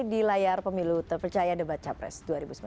di layar pemilu terpercaya debat capres